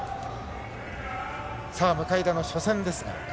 向田の初戦です。